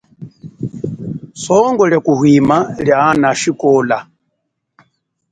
Songo lia kuhwima lia ana ashikola.